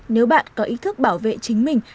nếu bạn có ý thức bảo vệ chính mình